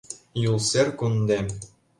ЮЛСЕР КУНДЕМ